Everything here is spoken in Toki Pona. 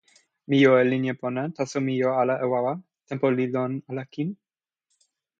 mi jo e linja pona, taso mi jo ala e wawa. tenpo li lon ala kin.